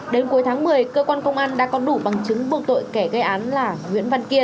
đến cuối tháng một mươi cơ quan công an đã có đủ bằng chứng buộc tội kẻ gây án là nguyễn văn kiên